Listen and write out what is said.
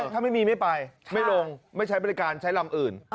ถ้าไม่มีไม่ไปไม่ลงไม่ใช้บริการใช้ลำอื่น